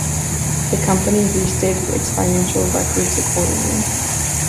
The company restated its financial reports accordingly.